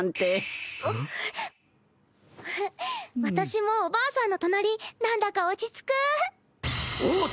私もおばあさんの隣なんだか落ち着く。